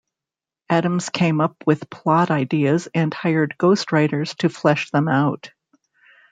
Adams came up with plot ideas and hired ghostwriters to flesh them out.